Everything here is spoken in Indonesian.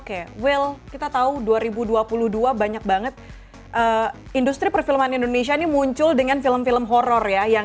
oke will kita tahu dua ribu dua puluh dua banyak banget industri perfilman indonesia ini muncul dengan film film horror ya